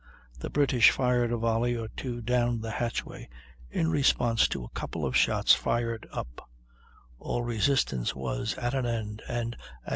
The British fired a volley or two down the hatchway, in response to a couple of shots fired up; all resistance was at an end, and at 6.